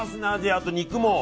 あと肉も。